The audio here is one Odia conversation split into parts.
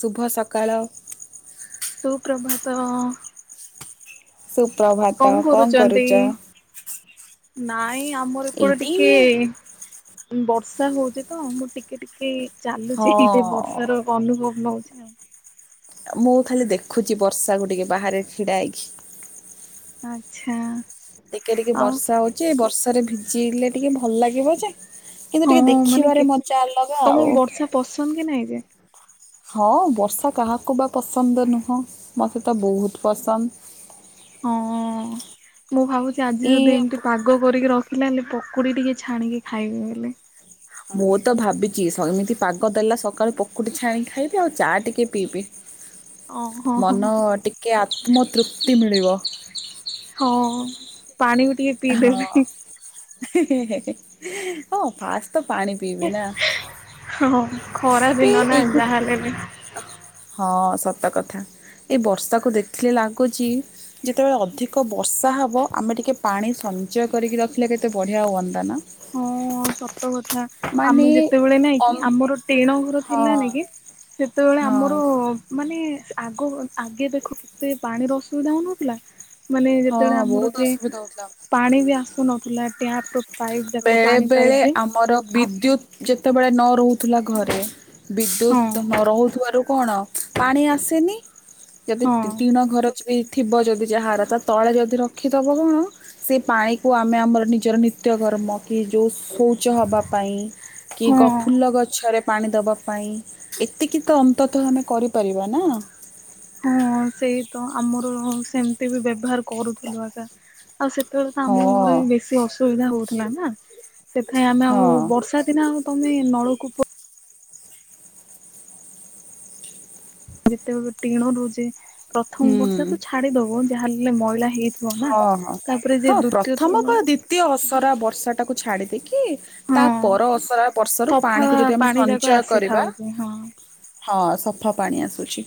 ଶୁଭ ସକାଳ। ତୁ ପ୍ରଭାତ। ସୁପ୍ରଭାତ କଣ କରୁଛନ୍ତି? କରୁଛ? ନାଇଁ ଆମର ଏପଟେ ଏଇଠି ଟିକେ ବର୍ଷା ହଉଛି ତ ମୁଁ ଟିକେ ଟିକେ ଟିକେ ଚାଲୁଚି ଏ ହଁ ବର୍ଷାର ଅନୁଭବ ନଉଛି ଆଉ। ମୁଁ ଖାଲି ଦେଖୁଛି ବର୍ଷାକୁୁ ଟିକେ ବାହାରେ ଛିଡା ହେଇକି। ଆଚ୍ଛା। ଟିକେ ଟିକେ ଆଉ ବର୍ଷା ହଉଚି ବର୍ଷାରେ ଭିଜିଲେ ଟିକେ ଭଲ ଲାଗିବ ଯେ। କିନ୍ତୁ ହଁ ଟିକେ ମାନେ କେ ଦେଖିବାରେ ମଜା ଅଲଗା ତମକୁ ଆଉ। ବର୍ଷା ପସନ୍ଦ କି ନାଇଁ ଯେ। ହଁ ବର୍ଷା କାହାକୁ ବା ପସନ୍ଦ ନୁହଁ ମୋତେ ତ ବହୁତ ପସନ୍ଦ। ହଁ ମୁଁ ଭାବୁଛି ଆଜି ଯଦି ଇଏ ଏମିତି ପାଗ ପାଗ କରିକି ରଖିଲା ହେଲେ ପକୁଡ଼ି ଟିକେ ଛାଣିକି ଖାଇବି ହେଲେ। ମୁଁ ତ ଭାବିଛି ଏମିତି ପାଗ ଦେଲା ସକାଳୁ ପୋକୁଡି ଛାଣିିକି ଖାଇବି ଆଉ ଚା ଟିକେ ପିଇବି। ଓ ହଁ ହଁ ମନ ଟିକେ ଆତ୍ମ ତୃପ୍ତି ମିଳିବ। ହଁ। ପାଣିକୁ ଟିକେ ହଁ ପିଇଦେବି ହେଁ ହେଁ ଫାଷ୍ଟ ତ ପାଣି ପିଇବି ନା ହଁ ଖରା ଏବେ ଦିନ ନା ଏଗୁ ଯାହାହେଲେ ବି ହଁ ସତ କଥା ଏଇ ବର୍ଷାକୁ ଦେଖିଲେ ଲାଗୁଛି ଯେତେବେଳେ ଅଧିକ ବର୍ଷା ହେବ ଆମେ ଟିକେ ପାଣି ସଞ୍ଚୟ କରିକି ରଖିଲେ କେତେ ବଢ଼ିଆ ହୁଅନ୍ତା ନା। ହଁ ସତକଥା ମାନେ ଆମେ ଯେତେବେଳେ ନାଇଁ କି ଅମ ଆମର ଟିଣ ଘର ହଁ ଥିଲା ନିକି ସେତେବେଳେ ହଁ ଆମର ମାନେ ଆଗ ଆଗେ ଦେଖ କେତେ ପାଣିର ଅସୁବିଧା ହଉନଥିଲା। ମାନେ ହଁ ଯେତେବେଳେ ଆମର ବହୁତ ଯେ ଅସୁବିଧା ହଉଥିଲା ପାଣି ବି ଆସୁନଥିଲା ଟ୍ୟାପ ର ପାଇପ୍ ଯାକ ପାଣି ପାଇପ୍ ବେଳେବେଳେ ଯେ ଆମର ବିଦ୍ୟୁତ ଆସୁନଥିଲା ଯେତେ ସେତେବେଳେ ନ ରହୁଥିଲା ଘରେ ବିଦ୍ୟୁତ୍ ହଁ ନ ରହୁଥିବାରୁ କଣ ପାଣି ଆସେନି ଯଦି ହଁ ତିଣ ଘର ହେଇଥିବ ଯଦି ଯାହାର ତା ତଳେ ଯଦି ରଖିଦବ କଣ ସେ ପାଣି କୁ ଆମେ ଆମର ନିଜର ନିତ୍ୟକର୍ମ କି ଯୋଉ ଶୌଚ ହବା ପାଇଁ କି ହଁ ଗ ଫୁଲ ଗଛରେ ପାଣି ଦବା ପାଇଁ ଏତିକି ତ ଅନ୍ତତଃ ଆମେ କରିପାରିବା ନା। ହଁ ସେଇତ ଆମର ସେମିତି ବି ବ୍ୟବହାର କରୁଥିଲୁ ଆକା। ଆଉ ସେତେବେଳେ ତ ଆମ ଘରେ ହଁ। ବି ବେଶୀ ଅସୁବିଧା ହଉଥିଲା ନା। ସେଥିପାଇଁ ଆମେ ହଁ ଆଉ ବର୍ଷା ଦିନ ଆଉ ତମେ ନଳକୂପ ଯେତେବେ ଟିଣ ରହୁଚି ପ୍ରଥମ ବର୍ଷା ହୁଁ ତ ଛାଡିଦବ ଯାହା ହେଲେ ମଇଳା ହେଇଥିବ ନା ହଁ ତାପରେ ଯେ ଦୁତୀୟ ଥର ତେ ଅସରା ବର୍ଷାଟାକୁ ଛାଡ଼ିଦେଇକି ହଁ ତା ପର ଅସରା ବର୍ଷାରୁ ସଫା ପାଣିକୁ ଯଦି ଆମେ ପାଣି ଯାକ ସଞ୍ଚୟ କରିବା ଆସିଥାଉଛି ହଁ ହଁ ସଫା ପାଣି ଆସୁଚି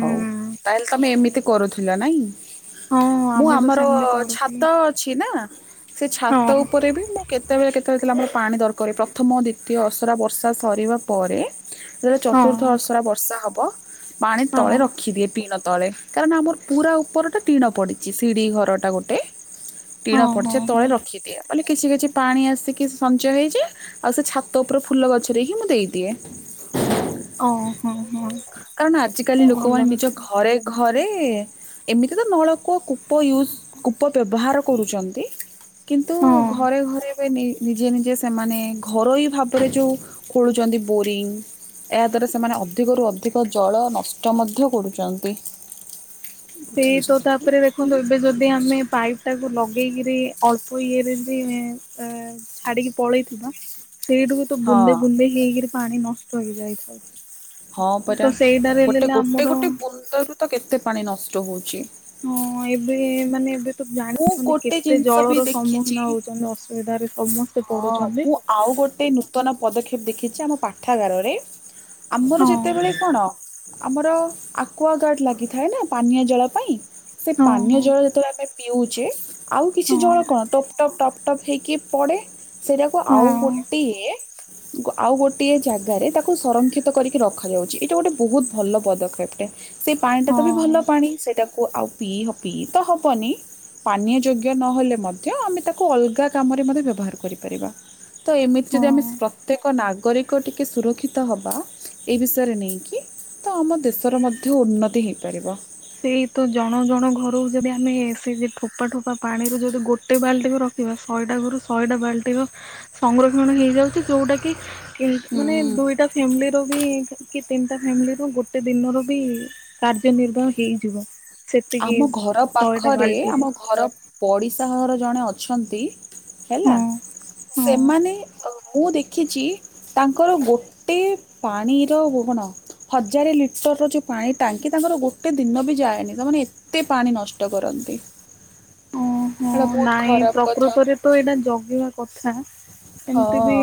ହଉ ତାହେଲେ ତମେ ଏମିତି କରୁଥିଲ ନାଇଁ ହଁ ମୁଁ ଆମେ ତ ଆମର ସେମିତି ଛାତ କରୁଥିଲୁ ଅଛି ନା ସେ ହଁ ଛାତ ଉପରେ ବି ମୁଁ କେତେବେଳେ କେତେବେଳେ ଥିଲା ଆମର ପାଣି ଦରକାର ହୁଏ ପ୍ରଥମ ଦ୍ୱିତୀୟ ଅସରା ବର୍ଷା ସରିବା ପରେ ଯେତେବେଳେ ହଁ ଚତୁର୍ଥ ଅସରା ବର୍ଷା ହବ ପାଣି ହଁ। ତଳେ ରଖିଦିଏ ଟିଣ ତଳେ। କାରଣ ଆମର ପୁରା ଉପରଟା ଟିଣ ପଡ଼ିଚି ସିଡ଼ି ଘରଟା ଗୋଟେ। ହଁ ଟିଣ ହଁ ପଡ଼ିଛି ହଁ ତଳେ ରଖିଦିଏ ବୋଲି କିଛି କିଛି ପାଣି ଆସିକି ସଞ୍ଚୟ ହେଇଯାଏ। ଆଉ ସେ ଛାତ ଉପର ଫୁଲ ଗଛରେ ହିଁ ମୁଁ ଦେଇଦିଏ। ଓ ହଁ ହଁ କାରଣ ଆଜିକାଲି ଭଲ ଲୋକମାନେ ନିଜ କଥା ଘରେ ଘରେ କି ତ ନଳକୂଅ କୂପ ୟୁଜ୍ କୂପ ବ୍ୟବହାର କରୁଛନ୍ତି। କିନ୍ତୁ ହଁ। ଘରେ ଘରେ ଏବେ ନେ ନିଜେ ନିଜେ ସେମାନେ ଘରୋଇ ଭାବରେ ଯୋଉ ଖୋଳୁଛନ୍ତି ବୋରିଙ୍ଗ ଏହାଦ୍ୱାରା ସେମାନେ ଅଧିକରୁ ଅଧିକ ଜଳ ନଷ୍ଟ ମଧ୍ୟ କରୁଛନ୍ତି। ସେଇ ତ ତାପରେ ଦେଖନ୍ତୁ ଏବେ ଯଦି ଆମେ ପାଇପ୍ ଟାକୁ ଲଗେଇକିରି ଅଳ୍ପ ଇଏରେ ବି ଛାଡିକି ପଳେଇଥିବା ସେଇଠୁ କୁ ତ ହଁ ବୁନ୍ଦେ ବୁନ୍ଦେ ହେଇକିରି ପାଣି ନଷ୍ଟ ହେଇ ଯାଇଥାଉଛି। ହଁ ପରା ଗୋଟେ ଗୋଟେ ଆମର ଗୋଟେ ବୁନ୍ଦରୁ ତ କେତେ ପାଣି ନଷ୍ଟ ହଉଛି। ହଁ ଏବେ ମାନେ ଏବେ ତ ମୁଁ ଜାଣିଛନ୍ତି ଗୋଟେ କେତେ ଜିନିଷ ଜଳ ବି ର ଦେଖିଛି ସମ୍ମୁଖୀନ ହଉଛନ୍ତି ଅସୁବିଧାରେ ସମସ୍ତେ ହଁ ପଡୁଛନ୍ତି। ମୁଁ ଆଉ ଗୋଟେ ନୂତନ ପଦକ୍ଷେପ ଦେଖିଛି ଆମ ପାଠାଗାରରେ। ଆମର ହଁ ଯେତେବେଳେ କଣ ଆମର ଆକ୍ୱଗାର୍ଡ ଲାଗିଥାଏ ନା ପାନୀୟ ଜଳ ପାଇଁ ସେ ହଁ ପାନୀୟ ଜଳ ଯେତେବେଳେ ଆମେ ପିଉଛେ ଆଉ କିଛି ହଁ ଜଳ କଣ ଟପ୍ ଟପ୍ ଟପ୍ ଟପ୍ ହେଇକି ପଡେ। ସେଇଟାକୁ ହଁ ହଁ ଆଉ ଗୋଟିଏ ଆଉ ଗୋଟିଏ ଜାଗାରେ ତାକୁ ସଂରକ୍ଷିତ କରିକି ରଖାଯାଉଛି ଏଇଟା ଗୋଟେ ବହୁତ ଭଲ ପଦକ୍ଷେପ ଟେ। ସେ ପାଣି ଟା ହଁ ତ ବି ଭଲ ପାଣି ସେଇଟାକୁ ଆଉ ପିଇ ପିଇ ତ ହବନି। ପାନୀୟ ଯୋଗ୍ୟ ନହେଲେ ମଧ୍ୟ ଆମେ ତାକୁ ଅଲଗା କାମରେ ମଧ୍ୟ ବ୍ୟବହାର କରିପାରିବା। ତ ଏମିତି ଯଦି ଆମେ ହଁ। ପ୍ରତ୍ୟେକ ନାଗରିକ ଟିକେ ସୁରକ୍ଷିତ ହବା। ଏ ବିଷୟରେ ନେଇକି ତ ଆମ ଦେଶର ମଧ୍ୟ ଉନ୍ନତି ହେଇପାରିବ। ସେଇ ତ ଜଣ ଜଣ ଘରକୁ ଯଦି ଆମେ ସେ ଯେ ଠୋପା ଠୋପା ପାଣିରୁ ଯଦି ଗୋଟେ ବାଲଟି ବି ର ଥିବା ଶଏଟା ଘରୁ ଶଏଟା ବାଲଟିର ସଂଗ୍ରକ୍ଷଣ ହେଇଯାଉଛି ଯୋଉଟାକି ହୁଁ। ମାନେ ଦୁଇଟା ଫ୍ୟାମିଲି ର ବି କି ତିନିଟା ଫ୍ୟାମିଲି ର ଗୋଟେ ଦିନର ବି କାର୍ଯ୍ୟ ନିର୍ବାହ ହେଇଯିବ। ସେତିକି ଆମ ଘର ଶହେଟା ପାଖରେ ବାଲ୍ଟିରେ ଆମ ଘର ପଡ଼ିଶା ଘର ଜଣେ ଅଛନ୍ତି ହେଲା ହଁ ହଁ। ସେମାନେ ଅ ମୁଁ ଦେ ଖିଚି ତାଙ୍କର ଗୋଟେ ପାଣିର ଗୋଗୋଣ ହଜାରେ ଲିଟର ର ଯୋଉ ପାଣି ଟାଙ୍କି ତାଙ୍କର ଗୋଟେ ଦିନ ବି ଯାଏନି ତମାନେ ଏ ତେ ପାଣି ନଷ୍ଟ କରନ୍ତି। ହଁ ଏଟା ବହୁତ ନାଇଁ ଖରାପ କଥା ପ୍ରକୃତରେ ତେ ଏଇଟା ଜଗିବା କଥା ଏମତି ହଁ। ବି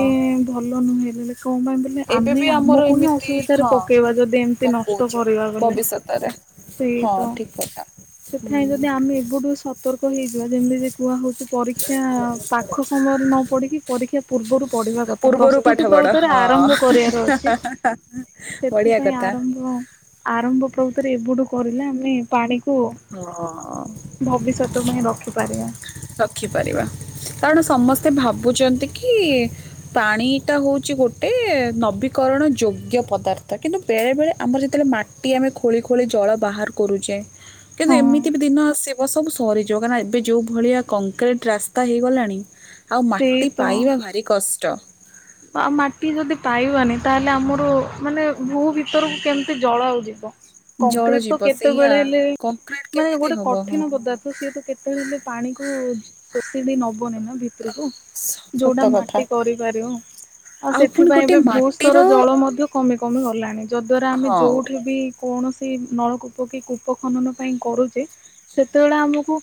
ଭଲ ନୁହେ ଲେ କଁ ପାଇଁ ଦେଲେ ଏବେ ଆମେ ବି ଆମର ଆମକୁ ହିଁ ଏମିତି ଅସୁବିଧାରେ ହଁ ପକେଇବା ଯଦି ଏମତି ନଷ୍ଟ କରିବା ବଲେ। ତା ରେ ସେଇ ହଁ ତ ଠିକ୍ କଥା। ସେଥିପାଇଁ ଯଦି ଆମେ ଏବେଠୁ ସତର୍କ ହେଇଯିବା ଯେମିତି କୁହା ହଉଚି ପରୀ [unintelligible] ପାଖ ସମୟରେ ନ ପଡ଼ିକି ପରୀକ୍ଷା ପୂର୍ବରୁ ପଢିବା କଥା ପୂର୍ବରୁ ପାଠ ପ୍ରସ୍ତୁତି ପଢ ପ୍ରଵୄତରେ ଆରମ୍ଭ ହଁ କରିବାର ଅଛି। ବଢିଆ ସେଥିପାଇଁ କଥା। ଆରମ୍ଭ ଆରମ୍ଭ ପ୍ରଭୃତିରେ ଏବଠୁ କରିଲେ ଆମେ ପାଣି ହଁ। ଭବିଷ୍ୟତ ପାଇଁ ରଖିପାରିଆ। ରଖିପାରିବା କାରଣ ସମସ୍ତେ ଭାବୁଚନ୍ତି କି ପାଣିଟା ହୋଉଚି ଗୋଟେ ନବୀକରଣ ଯୋଗ୍ୟ ପଦାର୍ଥ କିନ୍ତୁ ବେଳେ ବେଳେ ଆମର ଯେତେବେଳେ ମା ଟି ଆମେ ଖୋଳି ଖୋଳି ଜଳ ବାହାର କରୁଚେ। କିନ୍ତୁ ହଁ ଏମିତି ବି ଦିନ ଆସିବ ସବୁ ସରିଯିବ କାଁଇ ଏବେ ଯୋଉ ଭଳିଆ କଂକ୍ରିଟ୍ ରାସ୍ତା ହୋଇଇଗଲାଣି ଆଉ ସେଇ ମାଟି ପାଇବା ଭାରି କଷ୍ଟ। ଆ ମାଟି ଯଦି ପାଇବାନି ତାହେଲେ ଆମର ମାନେ ଭୂ ଭିତରକୁ କେମିତି ଜଳ ଆଉ ଯିବ? ଜଳ କଂକ୍ରିଟ ତ ଜୀବ ସେଇଆ କେତେବେଳେ ହେଲେ କଂକ୍ରିଟ ମାଏ କେମିତି ଗୋଟେ ହବ ହଁ। କଠିନ ପଦାର୍ଥ ସିଏ ତ କେ ତେବେଳେ ହେଲେ ପାଣି କ ଶୋଷିଡି ନବନି ନା ଭିତରକୁ। ଯୋଉଟା ସତ କଥା। ମାଟି କରିପାରିବ। ଆଉ ପୁଣି ସେଥିପାଇଁ ଗୋଟେ ଏବେ ମାଟିର ଭୂସ୍ତର ଜଳ ମଧ୍ୟ କମି କମି ଗଲାଣି ଯଦ୍ଵାରା ଆମେ ହଁ। ଯୋଉଠି ବି କୌଣସି ନଳକୂପ କି କୂପ ଖନନ ପାଇଁ କରୁଚେ ସେତେବେଳେ ଆମକୁ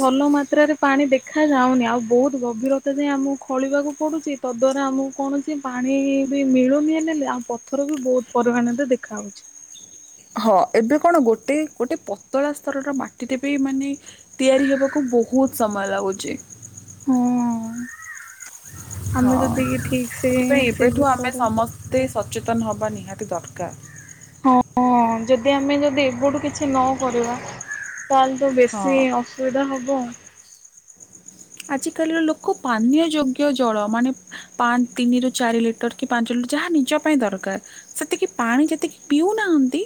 ଭଲ ମାତ୍ରାରେ ପାଣି ଦେଖା ଯାଉନି ଆଉ ବହୁତ ଗଭୀରତା ଯାଏ ଆମ ଖଳିବାକୁ ପଡୁଛି ତ ଦ୍ୟାରା ଆମ କୌଣସି ପାଣି ବି ମିଳୁନି ହେଁଲେ ପଥର କୁ ବହୁତ ପରିମାଣରେ ଦେଖାହଉଚି। ହଁ ଏବେ କଣ ଗୋଟେ ଗୋଟେ ପତଳା ସ୍ତରର ମାଟିରେ ବି ମାନେ ତିଆରି ହେବାକୁ ବହୁତ ସମୟ ଲାଗୁଚି। ହୁଁ ଆମେ ହଁ। ଯଦି ଠିକ ସେ ସେଇ ବିଷରେ ତେ ସଚେତନ ହେବା ନିହାତି ଦରକାର। ହଁ ଯଦି ଆମେ ଯଦି ଏବଠୁ କିଛି ନ କରିବା ତାହେଲେ ତ ବେଶୀ ହଁ। ଅ ସୁଦା ହବ। ଆଜ କାଲିର ଲୋକ ପାନୀୟ ଯୋଗ୍ୟ ଜଳ ମାନେ ପାଞ୍ଚ ତିନିରୁ ଚାରି ଲିଟର କି ପାଞ୍ଚ ଲି ଯାହା ନିଜ ପାଇଁ ଦରକାର ସେତିକି ପାଣି ଯେତିକି ପିଉନାହାନ୍ତି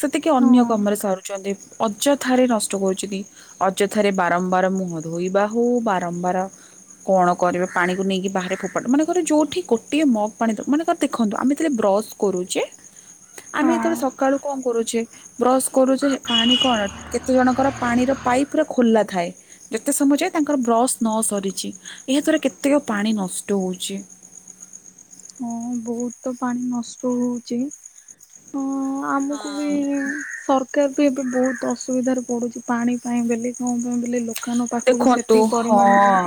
ସେତିକି ହଁ ଅନ୍ୟ କମରେ ସରୁଚନ୍ତି ଅଯଥାରେ ନଷ୍ଟ କରୁଚିଦି। ଅଯଥାରେ ବାରମ୍ବାର ମୁହଁ ଧୋଇବା ହଉ ବା ବାର କଣ କରିବେ ପାଣିକୁ ନେଇକି ବାହରେ ଫୋ ମନେକର ଯେଉଠି ଗୋଟିଏ ମଗ ପାଣି ଦ ମାନେକ ଦେଖନ୍ତୁ ଆମେ ତ୍ରେ ବ୍ରସ୍ କରୁଚେ ଆମେ ଏତେବେଳେ ହଁ। ସକାଳୁ କଁ କରୁଛେ ବ୍ରଶ କରୁଚେ ପାଣି କଣ କେତେ ଜଣଙ୍କର ପାଣିର ପାଇପ ପୁରା ଖୋଲା ଥାଏ ଯେତେ ସମୟ ଯାଏ ତାଙ୍କର ବ୍ରସ୍ ନସରିଚି ଏହାଦ୍ୱାରା କେତେକ ପାଣି ନଷ୍ଟ ହୋଉଚି। ହଁ ବହୁତ ପାଣି ନଷ୍ଟ ହଉଚି ଅ ଆମକୁ ବି ସରକାର ବି ଏବେ ବହୁତ ଅସୁବିଧାରେ ପଡୁଛି ପାଣି ପାଇଁ ବେଲେ କଁ ପାଇଁ ବେଲେ ଲୋ କାନ ପାଖକୁ ଦେଖନ୍ତୁ ସେତିକି ପରିମାଣରେ ହଁ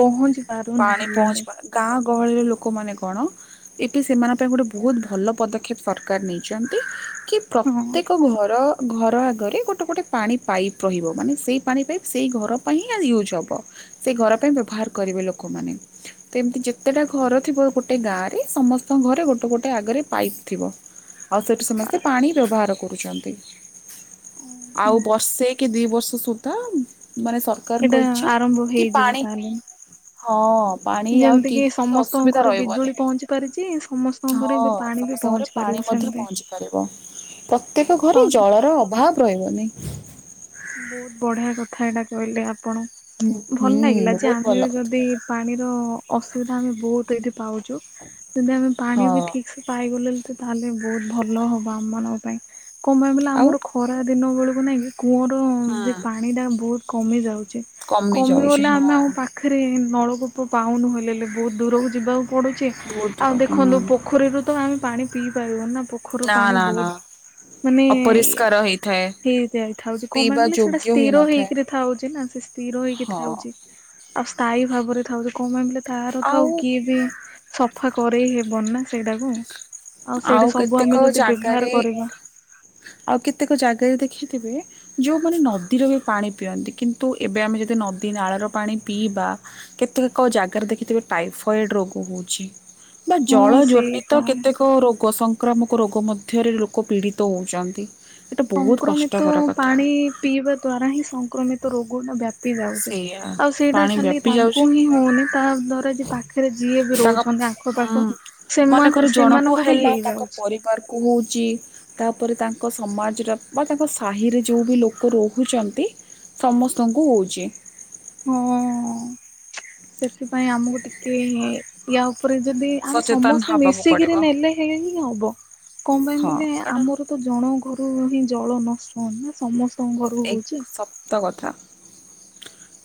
ପହଞ୍ଚି ପାରୁନି ହେଲେଣି। କା ଗହଳି ଲୋକମାନେ କଣ ଏଠୁ ସେମାନଙ୍କ ପାଇଁ ଗୋଟେ ବହୁତ ଭଲ ପଦକ୍ଷେପ ସରକାର ନେଇଚନ୍ତି କି ହଁ ହଁ ପ୍ରତ୍ୟେକ ଗୁହର। ଘର ଆଗରେ ଗୋଟେ ଗୋଟେ ପାଣି ପାଇପ୍ ରହିବ ମାନେ ସେଇ ପାଣି ପାଇପ୍ ସେଇ ଘର। ପାଇ ହି ଆଜି ୟୁଜ୍ ହବ ସେ ଘର ପାଇଁ ବ୍ୟବହାର କରିବେ ଲୋକମାନେ। ତ ଏମିତି ଯେତେଟା ଘର ଥିବ ଗୋଟେ ଗାଁ ରେ ସମସ୍ତଙ୍କ ଘରେ ଗୋଟେ ଗୋଟେ ଆଗରେ ପାଇପ ଥିବ। ଆଉ ସେଠୁ ସମସ୍ତେ ପାଣି ବ୍ୟବହାର କରୁଛନ୍ତି। ଆଉ ବର୍ଷେ କି ଦି ବର୍ଷ ସୁଦ୍ଧା ମାନେ ସ ଏଇଟା ଆରମ୍ଭ ହେଇଯିବ ତାହେଲେ। ହଁ ପା ଯେମିତି କି ସମସ୍ତଙ୍କ ଘରେ ବିଜୁଳି ପହଞ୍ଚି ପାରିଛି ସମସ୍ତ। ହଁ ସମସ୍ତଙ୍କରେ ପାଣି ମଧ୍ୟ ପହଞ୍ଚି ପାରିବ ପ୍ରତ୍ୟେକ ଘରେ ସରି ଜଳର ଅଭାବ। ରହିବନିଁ। ବହୁତ ବଢିଆ କଥା ଏଇଟା କହିଲେ ଆପଣ ହୁଁ ଭଲ ହୁଁ ଲାଗିଲା ଯେ ବହୁତ ଆମେ ଭଲ କଥା। ଯଦି। ପାଣିର ଅ ଅସୁବିଧା ଆମେ ବହୁତ ଏଇଠି ପାଉଛୁ ଯଦି ଆମେ ପାଣି ବି ହଁ ଠିକ ସେ। ପାଇଗଲେଣି ତ ତାହେଲେ ବହୁତ ଭଲ ହବ ଆମ ମାନଙ୍କ ପାଇଁ କମେଇଲେ ଆଉ ଆମର ଖ ଖରା ଦିନ ବେଳକୁ ନାଇଁକି କୂଅର ଯେ ପାଣିଟା ବହୁତ କମିଯାଉଛି। କମି ଯାଉଛି କମିଗଲେ ଆମେ ହଁ ଆମ ପାଖରେ ନଳକୂପ ପାଉନୁ ହେଲେ ହେ ବହୁତ ଦୂରକୁ ଯିବାକୁ ପଡୁଚି ବହୁତ ଦୂର ଆଉ ହୁଁ ଦେଖନ୍ତୁ ପୋଖରୀରୁ ତ ଆମେ ପାଣି ପିଇ ପାରିବ ନା ପୋଖରୁ ନା ପାଣି ନା ନା ବହୁତ ମାନେ ଅପରିଷ୍କାର ହେଇଥାଏ। ଇଏ ହେଇଥାଏ। ଥାଉଛି କ ପାଇଁ ପିଇବା ବୋଲି ସେଟା ଯୋଗ୍ୟ ସ୍ଥିର ହେଇନଥାଏ। ହେଇକିରି ଥାଉଛି ନା ସେ ସ୍ଥିର ହେଇକି ହଁ ଥାଉଛି। ଆଉ ସ୍ଥାୟୀ ଭାବରେ ଥାଉଛି କଣ ପାଇଁ ବଲେ ତାର ତ ଆଉ କିଏ ବି ସଫା କରେଇ ହେବନି ନା ସେଇଟାକୁ ଆଉ ଆଉ ସେଇଠି ସବୁ କେତେକ ଆମେ ଯଦି ବ୍ୟବହାର ଜାଗାରେ କରିବା ଆଉ କେତେକ ଜାଗାରେ ଦେଖିଥିବେ ଯେଉଁମାନେ ନଦୀର ବି ପାଣି ପିଅନ୍ତି କିନ୍ତୁ ଏବେ ଆମେ ଯଦି ନଦୀ ନାଳର ପାଣି ପିଇବା କେତେ କ ଜାଗାରେ ଦେଖିଥିବେ ଟାଇଫଏଡ ରୋଗ ହଉଛି ବା ହଁ ଜଳ ସେଇ ଯୋନିତ ତ କେ ଏକ ରୋଗ ସଂକ୍ରାମକ ରୋଗ ମଧ୍ୟରେ ଲୋକ ପୀଡ଼ିତ ହେଉଛନ୍ତି। ସଂକ୍ରମିତ ପାଣି ପିଇବା ଦ୍ଵାରା ହିଁ ସଂକ୍ରମିତ ରୋଗଟା ବ୍ୟା ପି ଯାଉଛି ସେଇଆ ଆଉ ସେଇଟା ପାଣି ଖାଲି ବ୍ୟାପି ତାଙ୍କୁ ଯାଉଛି। ହିଁ ହଉନି ତା ଦ୍ଵାରା ଯେ ପାଖରେ ଯିଏ ବି ରହୁଛନ୍ତି ଆ ହଁ ମନେକର ଜଣ କୁ ବି ହେଲା ତାଙ୍କ ହେଇଯାଉଛି ପରିବାର କୁ ହଉଛି ତାପରେ ତାଙ୍କ ସମାଜର ବା ତାଙ୍କ ସାହିରେ ଯେଉଁ ବି ଲୋକ ରହୁଛନ୍ତି। ସମସ୍ତଙ୍କୁ ହଉଛି ହଁ ସେଥିପାଇଁ ଆମକୁ ଟିକେ ଏ ୟା ଉପରେ ଯଦି ଆମେ ସଚେତନ ସମସ୍ତେ ହବାକୁ ପଡିବ ମିଶିକିରି ନେଲେ ହେ ହିଁ ହବ କଣ ପାଇଁ ହଁ ବଲେ କାରଣ ଆମର ତ ଜଣକ ଘରୁ ହିଁ ଜଳ ନଷ୍ଟ ହୁ ନା ସମସ୍ତେ ଏକ ଶପ୍ତ କଥା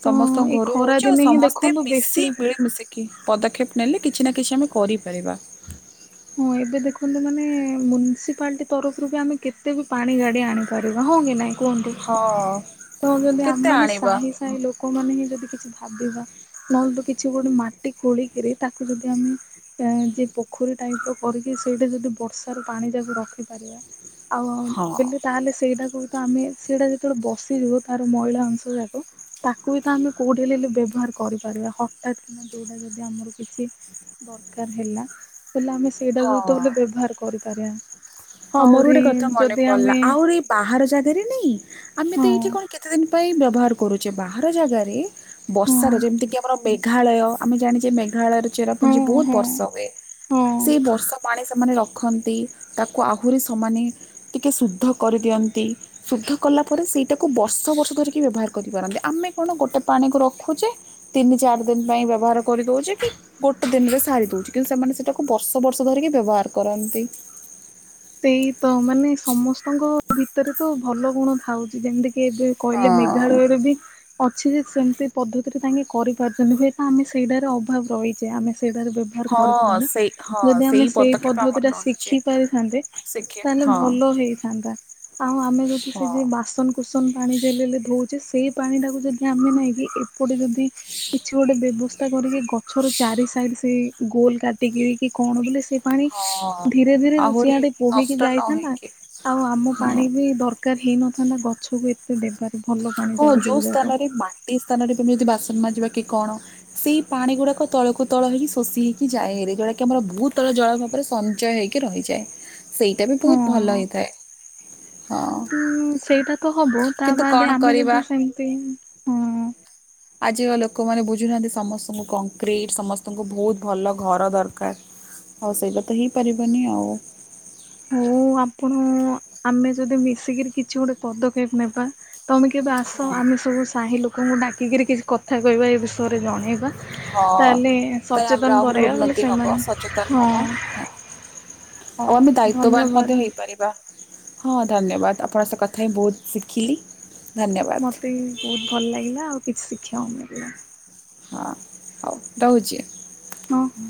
ତ ସମସ୍ତଙ୍କ ଏଇ ଘରୁ ଖରା ହଉଛି ଆଉ ଦିନେ ହିଁ ସମସ୍ତେ ଦେଖନ୍ତୁ ମିଶି ବେଶୀ ମିଳିମିଶି କି ପଦକ୍ଷେପ ନେଲେ କିଛି ନା କିଛି ଆମେ କରିପାରିବା ହଁ ଏବେ ଦେଖନ୍ତୁ ମାନେ ମୁନିସିପାଲିଟି ତରଫରୁ ବି ଆମେ କେତେ ବି ପାଣି ଗାଡି ଆଣିପାରିବା ହଁ କି ନାଇଁ କୁହନ୍ତି ହଁ ତ ଯଦି କେତେ ଆମେମାନେ ଆଣିବା ସାହି ସାହି ଲୋକମାନେ ହିଁ ଯଦି କିଛି ଭାବିବା ନହିଁ ତ କିଛି ଗୋଟେ ମାଟି ଖୋଳିକିରି ତାକୁ ଯଦି ଆମେ ଏ ଯିଏ ପୋଖରୀ ଟାଇପ ର କରିକି ସେଇଟା ଯଦି ବର୍ଷ ର ପାଣି ଯାକ ରଖିପାରିବା ଆଉ ଆମ ହଁ ଦିନ୍ ତାହେଲେ ସେଇଟାକୁ ତ ଆମେ ସେଇଟା ଯେତେବେଳେ ବସିଯିବ ତାର ମଇଳା ଅଂଶ ଯାକ ତାକୁ ବି ତ ଆମେ କୋଉଠି ହେଲେ ବେ ବ୍ୟବହାର କରିପାରିବା ହଠାତ୍ କି ନା ଯୋଉଟା ଯଦି ଆମର କିଛି ଦରକାର ହେଲା ହେଲେ ଆମେ ସେଇଟାକୁ ତ ହଁ ଆମେ ବ୍ୟବହାର କରିପାରିବା ହଁ ମୋର ଆହୁରି ଗୋଟେ କଥା ମନେ ଯଦି ପଡିଲା ଆମେ ଆହୁରି ବାହାର ଜାଗାରେ ନାଇଁ ଆମେ ତ ହଁ ଏଇଠି କଣ କେତେଦିନ ପାଇଁ ବ୍ୟବହାର କରୁଛେ ବାହାର ଜାଗାରେ ହଁ ବର୍ଷାର ଯେମିତିକି ଆମର ମେଘାଳୟ ଆମେ ଜାଣିଛେ ମେଘାଳୟର ଚେର ପୁଞ୍ଜି ହଁ ବୁଏ ହଁ ବର୍ଷ ହୁଏ ହଁ ସେଇ ବର୍ଷା ପାଣି ସେମାନେ ରଖନ୍ତି ତା କୁ ଆହୁରି ସମାନେ ଟିକେ ଶୁଦ୍ଧ କରିଦିଅନ୍ତି। ଶୁଦ୍ଧ କଲା ପରେ ସେଇଟାକୁ ବର୍ଷ ବର୍ଷ ଧରିକି ବ୍ୟବହାର କରିପାରନ୍ତି ଆମେ କଣ ଗୋଟେ ପାଣିକୁ ରଖୁଛେ ତିନି ଚାରି ଦିନ ପାଇଁ ବ୍ୟବହାର କରିଦଉଛି କି। ଗୋଟେ ଦିନରେ ସାରି ଦଉଛି କିନ୍ତୁ ସେମାନେ ସେଇଟାକୁ ବର୍ଷ ବର୍ଷ ଧରିକି ବ୍ୟବହାର କରନ୍ତି। ସେଇ ତ ମାନେ ସମସ୍ତଙ୍କ ଭିତରେ ତ ଭଲ ଗୁଣ ଥାଉଛି ଯେମିତିକ। କିଏ ଏବେ କହିଲେ ହଁ। ମେଘାଳୟରେ ବି। ଅଛି ଯେ ସେମିତି ପଦ୍ଧତିରେ ତାଙ୍କେ କରିପାରୁଛନ୍ତି ହୁଏତ ଆମେ ସେଇଟାର ଅଭାବ ରହିଛେ। ଯେ ଆମେ ସେଇଟାରେ ବ୍ୟବହାର ହଁ କରିପାରୁନ ସେଇ ହଁ ଯଦି ଆମେ ସେଇ ପଦକ୍ଷେପ ଆମର ପଦ୍ଧତି ଟା ରହିଛି ଶିଖି ପାରିଥାନ୍ତେ‌। ଶିଖି ତାହେଲେ ହଁ ଭଲ ହେଇଥାନ୍ତା ଆଉ ଆମେ ଯଦି ସେ ହଁ। ଯିଏ ବାସନ। ଉସୁମ୍ ପାଣି ଯେଲେ ଧଉଛେ ସେଇ ପାଣି ଟାକୁ ଯଦି ଆମେ ନେଇକି ଏପଟେ ଯଦି। କିଛି ଗୋଟେ ବ୍ୟବସ୍ଥା କରିକି ଗଛର ଚାରି ସାଇଡ ସେ ଗୋଲ କାଟିକ କି କଣ ବୋଲେ ସେ। ପାଣି ହଁ ଧୀରେ ଧୀରେ ଆହୁରି ସିଆଡେ ବୋହିକି ନଷ୍ଟ ନ ଯାଇଥାନ୍ତା ହେଇକି ଆଉ ଆମ ହଁ। ପାଣି। ଦରକାର ହେଇନଥାନ୍ତା ଗଛକୁ ଏତେ ଦେବାରେ ଭଲ ପାଣି ଯାକ ଯୋଉ ଯାକ। ଗୋଟିଏ ସ୍ଥାନରେ ତୁମେ ଯଦି ବାସନ ମାଯିବା କି କଣ। ସେଇ ପାଣି ଗୁଡାକ ତଳକୁ ତଳ ହେଇକି ଶୋଷି ହେଇକି ଯାଏହେରି ଯଉଟାକ କି ଆମର ଭୂତଳ ଜଳ ଭାବରେ ସଞ୍ଚୟ ହେଇକି। କି ରହିଯାଏ ସେଇଟା ବି ବହୁତ ଭଲ ହଁ ହେଇଥାଏ ହଁ ସେଇଟା ତ ହବ ତା କିନ୍ତୁ କଣ ବାଦ ଆମେ କରିବା ଯଦି ସେମିତି ହଁ। ଆଜିକା ଲୋକମାନେ ବୁଝୁନାହାନ୍ତି ସମସ୍ତଙ୍କୁ କଂକ୍ରିଟ୍ ସମସ୍ତଙ୍କୁ ବହୁତ ଭଲ ଘର ଦରକାର। ହଉ ସେଇଟା ତ ହେଇପାରିବନି ଆଉ। ମୁଁ ଆପଣ ଆମେ ଯଦି ମିଶିକିରି କିଛି ଗୋଟେ ପଦକ୍ଷେପ ନେବା। ତମେ କେବେ ଆସ ହଁ ଆମେ ସବୁ ସାହି ଲୋକଙ୍କୁ ଡାକିକିରି କିଛି କଥା କହିବା ଏ ବିଷୟରେ ଜଣେଇବା। ହଁ ତାହେଲେ ତ ଆମର ସଚେତନ ଆହୁରି କରେଇବା ବୋଲି ଉନ୍ନତି ହବ ସେମାନେ ସଚେତନ ହଁ। ହବ ହଉ ଭ। ର୍ତ୍ତବାନ ମଧ୍ୟ ହୋଇପାରିବା ହଁ ଧନ୍ୟବାଦ୍ ଆପଣ ସେ କଥା ହିଁ ବହୁତ ଶିଖିଲି। ଧନ୍ୟବାଦ ମତେ ବହୁତ ଭଲ ଲାଗିଲା ଆଉ କିଛି ଶିଖିବାକୁ ମିଳିଲା। ହଁ ହଉ ରହୁଛି। ଓହୋ।